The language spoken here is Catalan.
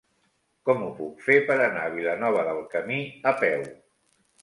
Com ho puc fer per anar a Vilanova del Camí a peu?